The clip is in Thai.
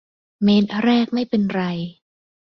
เมตรแรกไม่เป็นไร